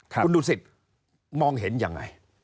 คุณดูสิมองเห็นอย่างไร